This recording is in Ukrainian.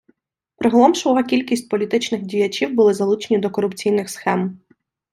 Приголомшлива кількість політичних діячів були залучені до корупційних схем.